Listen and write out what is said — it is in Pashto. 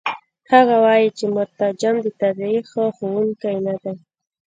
هغه وايي چې مترجم د تاریخ ښوونکی نه دی.